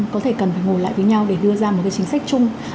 có thể cần phải ngồi lại với nhau để đưa ra một cái chính sách chung